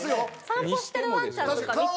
散歩してるワンちゃんとか見て。